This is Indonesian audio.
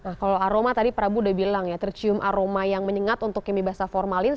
nah kalau aroma tadi prabu udah bilang ya tercium aroma yang menyengat untuk yang mie basah formalin